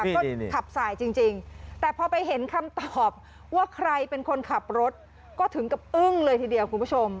ก็ขับสายจริงแต่พอไปเห็นคำตอบว่าใครเป็นคนขับรถก็ถึงกับอึ้งเลยทีเดียวคุณผู้ชม